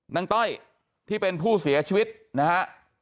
ต้อยที่เป็นผู้เสียชีวิตนะฮะ